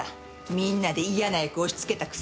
みんなで嫌な役押しつけたくせに。